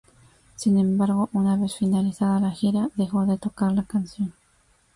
Sin embargo, una vez finalizada la gira, dejó de tocar la canción.